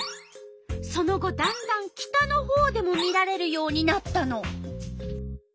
その後だんだん北のほうでも見られるようになったの。